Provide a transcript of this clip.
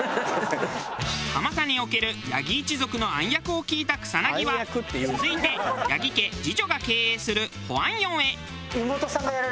蒲田における八木一族の暗躍を聞いた草薙は続いて八木家次女が経営する歓迎へ。